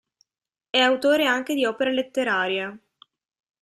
È autore anche di opere letterarie.